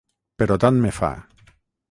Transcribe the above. Però tant me fa.